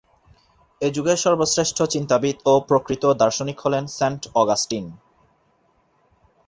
এ যুগের সর্বশ্রেষ্ঠ চিন্তাবিদ ও প্রকৃত দার্শনিক হলেন সেন্ট অগাস্টিন।